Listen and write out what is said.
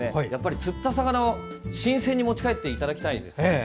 釣った魚を新鮮に持ち帰っていただきたいんです。